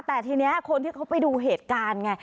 แต่ทีนี้คนที่เขาไปดูเหตุการณ์ไง